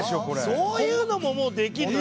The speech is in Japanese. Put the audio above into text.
そういうのももうできるの？